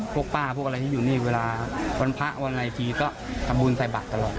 พวกป้าพวกอะไรที่อยู่นี่เวลาวันพระวันอะไรทีก็ทำบุญใส่บาทตลอด